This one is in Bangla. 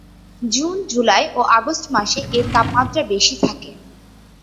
জুন, জুলাই ও আগস্ট মাসে এর তাপমাত্রা বেশি থাকে।